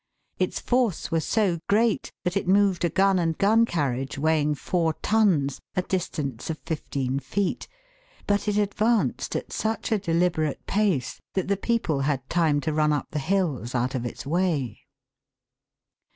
Its force was so great that it moved a gun and gun carriage, weighing four tons, a distance of fifteen feet, but it advanced at such a deliberate pace that the people had time to run up the hills out of its way.